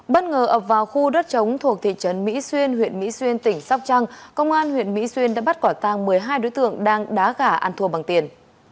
bất ngờ ập vào khu đất chống thuộc thị trấn mỹ xuyên huyện mỹ xuyên tỉnh sóc trăng công an huyện mỹ xuyên đã bắt quả tàng một mươi hai đối tượng đang đá gà ăn thua bằng tiền